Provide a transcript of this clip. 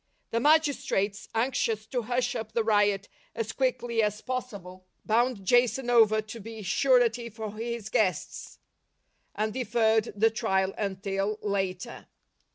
The, magistrates, anxious to hush up the riot as quickly as possible, bound Jason over to be 70 LIFE OF ST. PAUL surety for his guests, and deferred the trial until later.